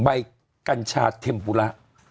ใบกัญชาเทมปุระ